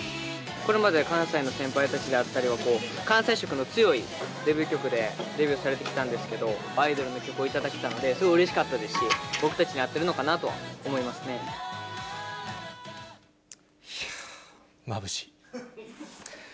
これまで関西の先輩たちであったりは、関西色の強いデビュー曲でデビューされてきたんですけど、アイドルの曲をいただけたので、すごいうれしかったですし、僕たちに合ってるのかなとは思いますね。